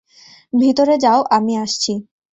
ভিতরে যাও - আমি আসছি।